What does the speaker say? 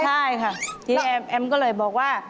ใช่ค่ะทีนี้แอมแอมก็เลยบอกว่า